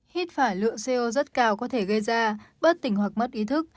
hít phải lượng co rất cao có thể gây ra bất tỉnh hoặc mất ý thức